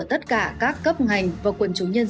tất cả các cấp ngành và quân chủ nhân dân